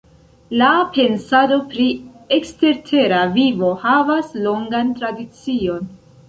La pensado pri ekstertera vivo havas longan tradicion.